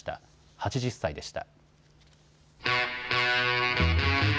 ８０歳でした。